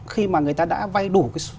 khi mà người ta đã vay đủ